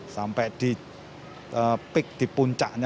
sampai di peak di puncaknya